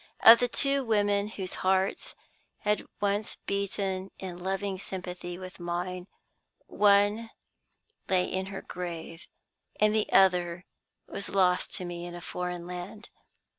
Of the two women whose hearts had once beaten in loving sympathy with mine, one lay in her grave and the other was lost to me in a foreign land.